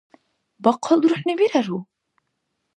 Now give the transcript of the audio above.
Бахъал дурхӀни бирару?